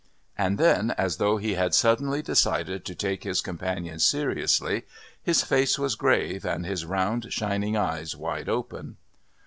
And then, as though he had suddenly decided to take his companion seriously, his face was grave and his round shining eyes wide open.